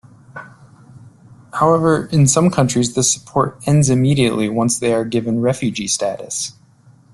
However, in some countries this support ends immediately once they are given refugee status.